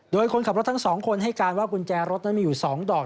โดยคนขับรถทั้ง๒คนให้การว่ากุญแจรถนั้นมีอยู่๒ดอก